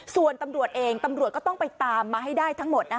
ส่วนตำรวจเองตำรวจก็ต้องไปตามมาให้ได้ทั้งหมด